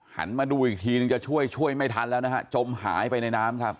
หันมาดูอีกทีนึงจะช่วยช่วยไม่ทันแล้วนะฮะจมหายไปในน้ำครับ